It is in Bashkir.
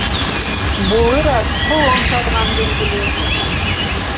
Булыр ат ҡолон сағынан билгеле.